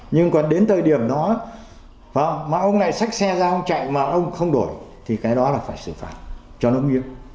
nhưng còn đến thời điểm đó mà ông lại xách xe ra ông chạy mà ông không đổi thì cái đó là phải xử phạt cho nó nghiêm